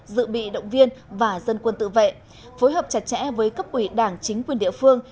dự bị động viên và dân quân tự vệ phối hợp chặt chẽ với cấp ủy đảng chính quyền địa phương